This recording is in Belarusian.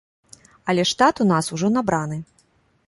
Але штат у нас ужо набраны.